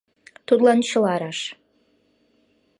Тудлан чыла раш.